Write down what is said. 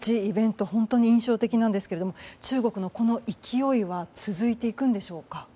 本当に印象的ですが中国のこの勢いは続いていくんでしょうか。